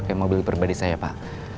kayak mobil pribadi saya pak